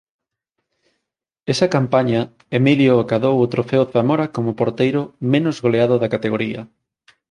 Esa campaña Emilio acadou o Trofeo Zamora como porteiro menos goleado da categoría.